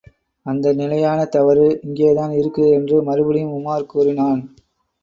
அந்த நிலையான தவறு இங்கேதான் இருக்கிறது! என்று மறுபடியும் உமார் கூறினான்.